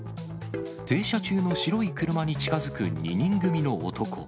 停車中の白い車に近づく２人組の男。